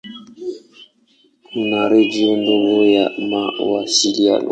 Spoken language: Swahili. Kuna redio ndogo ya mawasiliano.